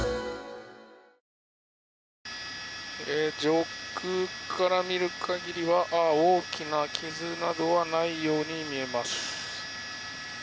上空から見る限りは大きな傷などはないように見えます。